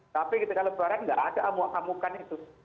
tapi ketika lebaran tidak ada amukan amukan itu